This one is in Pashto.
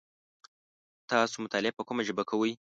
تاسو مطالعه په کومه ژبه کوی ؟